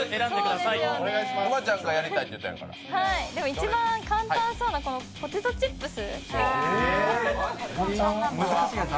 一番簡単そうなポテトチップス。